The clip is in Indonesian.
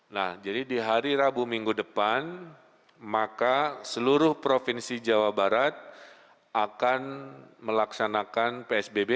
nah jadi di hari rabu minggu depan maka seluruh provinsi jawa barat akan melaksanakan psbb